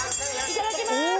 いただきます！